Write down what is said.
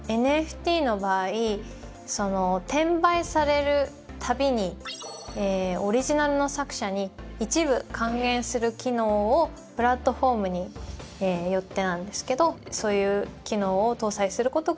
ＮＦＴの場合その転売される度にオリジナルの作者に一部還元する機能をプラットフォームによってなんですけどそういう機能を搭載することができる。